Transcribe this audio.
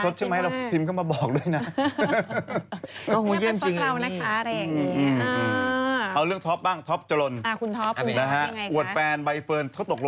เดินสวยอย่างนี้